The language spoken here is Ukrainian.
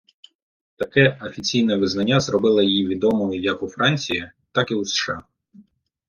Таке офіційне визнання зробило її відомою як у Франції, так і у США.